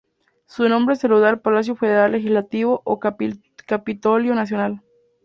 Su nombre se lo da el Palacio Federal Legislativo o Capitolio Nacional.